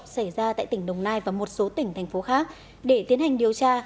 xảy ra tại tỉnh đồng nai và một số tỉnh thành phố khác để tiến hành điều tra